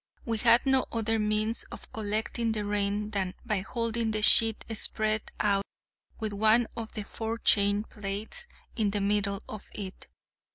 We had no other means of collecting the rain than by holding the sheet spread out with one of the forechain plates in the middle of it.